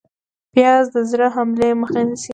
پیاز د زړه حملې مخه نیسي